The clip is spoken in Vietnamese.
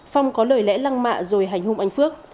phong có lời lẽ lăng mạ rồi hành hung anh phước